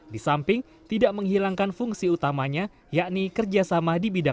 di samping tidak menghilangkan fungsi utamanya yakni kerjasama dibimbingan